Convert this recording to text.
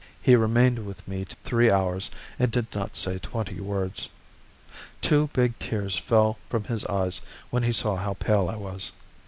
He remained with me three hours and did not say twenty words. Two big tears fell from his eyes when he saw how pale I was.